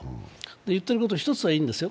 言っていることは１つはいいんですよ。